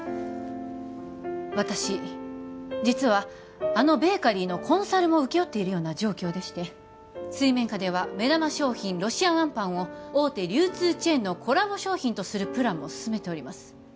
私実はあのベーカリーのコンサルも請け負っているような状況でして水面下では目玉商品ロシアンあんぱんを大手流通チェーンのコラボ商品とするプランも進めております